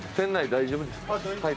大丈夫です。